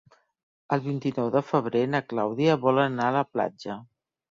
El vint-i-nou de febrer na Clàudia vol anar a la platja.